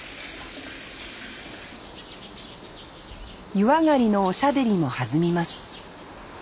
湯上がりのおしゃべりも弾みます